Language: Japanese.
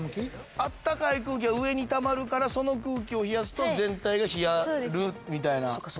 あったかい空気は上にたまるからその空気を冷やすと全体が冷やるみたいな。